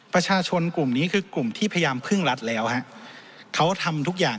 ประชาชนกลุ่มนี้คือกลุ่มที่พยายามพึ่งรัฐแล้วฮะเขาทำทุกอย่าง